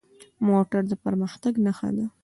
موټر د پرمختګ نښه ده.